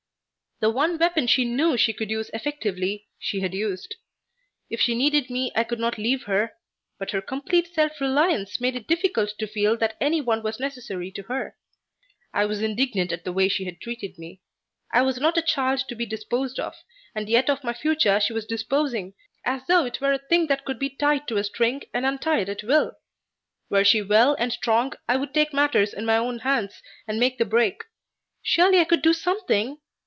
The one weapon she knew she could use effectively, she had used. If she needed me I could not leave her, but her complete self reliance made it difficult to feel that any one was necessary to her. I was indignant at the way she had treated me. I was not a child to be disposed of, and yet of my future she was disposing as though it were a thing that could be tied to a string, and untied at will. Were she well and strong, I would take matters in my own hands and make the break. Surely I could do something!